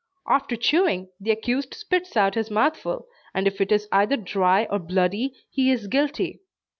After chewing, the accused spits out his mouthful, and if it is either dry or bloody, he is guilty.